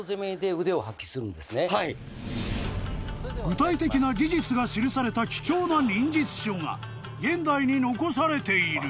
［具体的な技術が記された貴重な忍術書が現代に残されている］